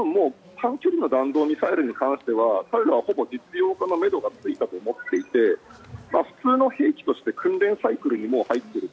ですから短距離の弾道ミサイルに関しては彼らはほぼ、実用化のめどがついたと思っていて普通の兵器として訓練サイクルにもう入っている。